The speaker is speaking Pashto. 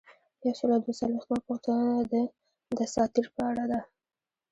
یو سل او دوه څلویښتمه پوښتنه د دساتیر په اړه ده.